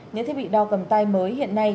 những thiết bị đo cầm tay mới hiện nay